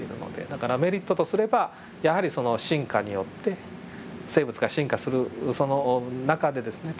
だからメリットとすればやはりその進化によって生物が進化するその中でですね